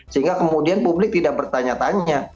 sehingga kemudian publik tidak bertanya tanya